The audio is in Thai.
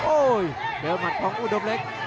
โอ้ยเดินมาของอุดมเล็ก